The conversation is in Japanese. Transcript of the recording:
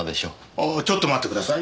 ああちょっと待ってください。